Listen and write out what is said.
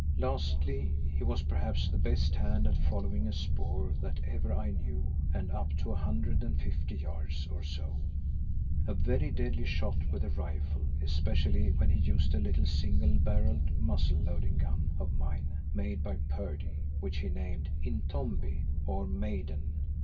Lastly he was perhaps the best hand at following a spoor that ever I knew and up to a hundred and fifty yards or so, a very deadly shot with a rifle especially when he used a little single barrelled, muzzle loading gun of mine made by Purdey which he named Intombi or Maiden.